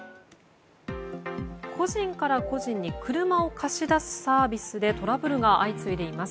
個人から個人に車を貸し出すサービスでトラブルが相次いでいます。